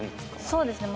そうですね。